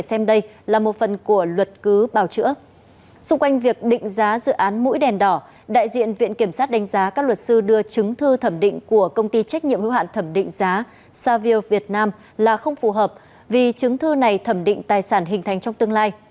xung quanh việc định giá dự án mũi đèn đỏ đại diện viện kiểm sát đánh giá các luật sư đưa chứng thư thẩm định của công ty trách nhiệm hữu hạn thẩm định giá savio việt nam là không phù hợp vì chứng thư này thẩm định tài sản hình thành trong tương lai